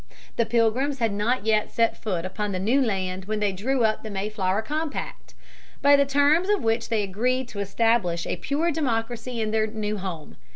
The Pilgrims had not yet set foot upon the new land when they drew up the Mayflower Compact, by the terms of which they agreed to establish a pure democracy in their new home.